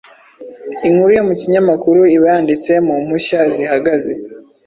Inkuru yo mu kinyamakuru iba yanditse mu mpushya zihagaze